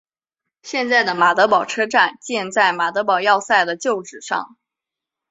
现在的马德堡车站建在马德堡要塞的旧址上。